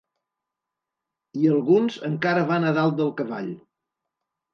I alguns encara van a dalt del cavall.